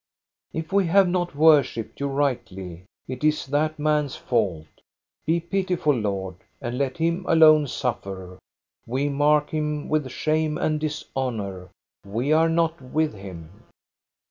If we have not worshipped you rightly, it is that man's fault. Be pitiful, Lord, and let him alone suffer! We mark him with shame and dishonor. We are not with him."